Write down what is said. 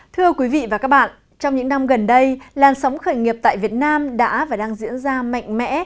thưa quý vị và các bạn trong những năm gần đây làn sóng khởi nghiệp tại việt nam đã và đang diễn ra mạnh mẽ